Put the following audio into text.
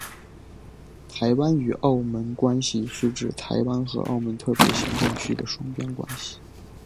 台湾与澳门关系是指台湾和澳门特别行政区的双边关系。